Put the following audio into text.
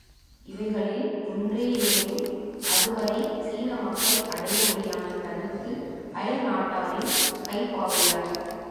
இவைகளில் ஒன்றையேனும் அதுவரை சீன மக்கள் அடைய முடியாமல் தடுத்து, அயல் நாட்டாரின் கைப்பாவையாய்.